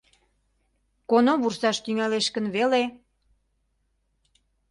Коно вурсаш тӱҥалеш гын веле.